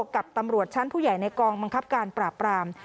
กับตำรวจชั้นผู้ใหญ่ในกองบังคับการปราบราม